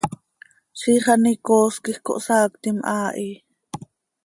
Ziix an icoos quij cohsaactim haa hi.